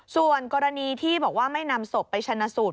ส่วนกรณีที่บอกว่าไม่นำศพไปชนะสูตร